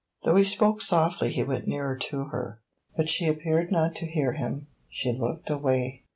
Though he spoke softly he went nearer to her; but she appeared not to hear him she looked away.